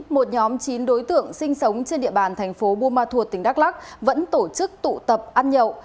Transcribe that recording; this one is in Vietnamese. một nhóm chín đối tượng sinh sống trên địa bàn thành phố buôn ma thuột tỉnh đắk lắc vẫn tổ chức tụ tập ăn nhậu